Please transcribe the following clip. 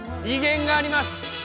威厳があります